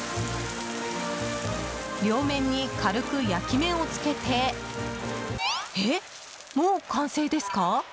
両面に軽く焼き目をつけてえ、もう完成ですか？